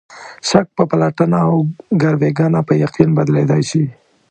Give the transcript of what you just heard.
شک په پلټنه او ګروېږنه په یقین بدلېدای شي.